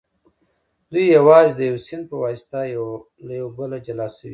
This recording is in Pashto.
دوی یوازې د یوه سیند په واسطه له یو بله جلا شوي دي